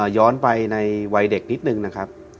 ย้อนไปในวัยเด็กนิดนึงนะครับ